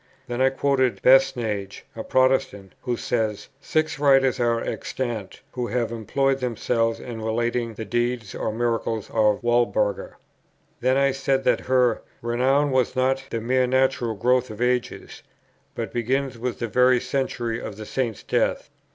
Then I quoted Basnage, a Protestant, who says, "Six writers are extant, who have employed themselves in relating the deeds or miracles of Walburga." Then I said that her "renown was not the mere natural growth of ages, but begins with the very century of the Saint's death."